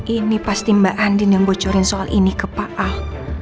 ini pasti mbak andin yang bocorin soal ini ke pak ahok